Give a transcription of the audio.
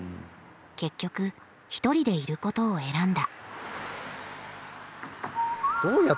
結局ひとりでいることを選んだ。